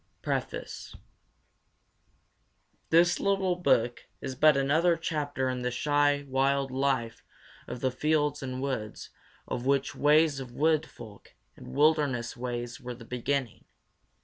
PREFACE This little book is but another chapter in the shy 'wild life of the fields and woods' of which "Ways of Wood Folk" and "Wilderness Ways" were the beginning.